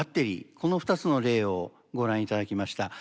この２つの例をご覧頂きました。